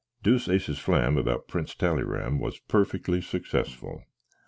Deuceace flam about Prince Tallyram was puffickly successful.